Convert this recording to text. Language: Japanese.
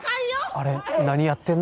あれ何やってんの？